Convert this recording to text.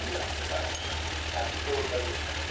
تاسو کولای شئ چې له هغوی څخه د مشرتوب درس زده کړئ.